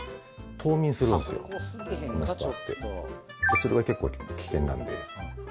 それが結構危険なんで。